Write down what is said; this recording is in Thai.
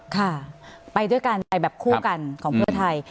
ค่ะไปด้วยกันไปแบบคู่กันของเพื่อไทย